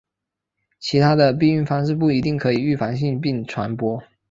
其他的避孕方式不一定可以预防性病传播。